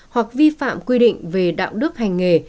hoặc vi phạm quy định về đạo đức hành nghề